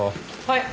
はい。